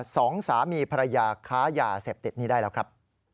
สองสามีภรรยาค้ายาเสพติดนี้ได้แล้วครับ